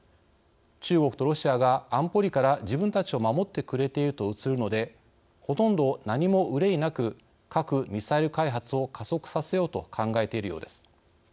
中国とロシアが安保理から自分たちを守ってくれていると映るので、ほとんど何も憂いなく核・ミサイル開発を加速させようと考えているようです。